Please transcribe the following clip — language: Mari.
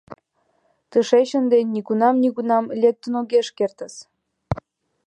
Тушеч ынде нигунам-нигунам лектын огеш кертыс!